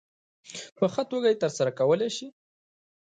په ښه توګه یې ترسره کولای شي.